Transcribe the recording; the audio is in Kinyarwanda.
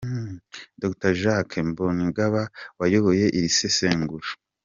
Dr Jean Jacques Mbonigaba wayoboye iri sesengura.